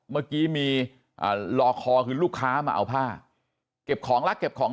เมื่อกี้มีรอคอคือลูกค้ามาเอาผ้าเก็บของรักเก็บของ